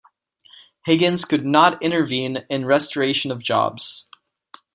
Higgins could not intervene in restoration of jobs.